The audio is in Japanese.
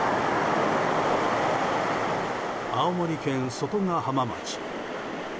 青森県外ヶ浜町。